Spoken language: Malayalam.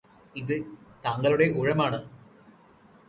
ഇതി താങ്കളുടെ ഊഴമാണ്